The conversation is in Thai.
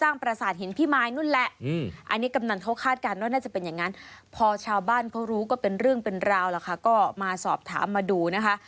องค์ฮันน้อยพี่จะไปสอบถามมาดูนะคะ